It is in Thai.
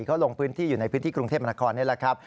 เขาลงพื้นที่อยู่ในพื้นที่กรุงเทพมนาคอนนี่แหละครับ